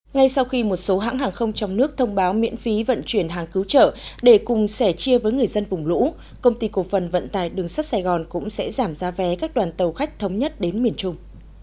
ngay sau khi một số hãng hàng không trong nước thông báo miễn phí vận chuyển hàng cứu trợ để cùng sẻ chia với người dân vùng lũ công ty cổ phần vận tài đường sắt sài gòn cũng sẽ giảm giá vé các đoàn tàu khách thống nhất đến miền trung